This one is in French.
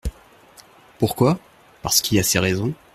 Pourquoi ? Parce qu'il a ses raisons.